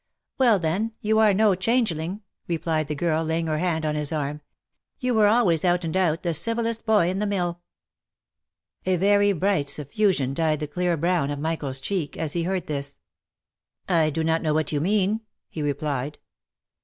" Well then, you are no changeling !" replied the girl, laying her hand on his arm; "you were always out and out, the civilest boy in the mill." , A very bright suffusion dyed the clear brown of Michael's cheek as he heard this. " I do not know what you mean"!" he replied.